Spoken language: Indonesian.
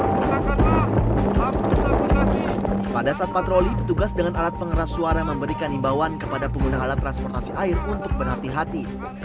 pada saat patroli petugas dengan alat pengeras suara memberikan imbauan kepada pengguna alat transportasi air untuk berhati hati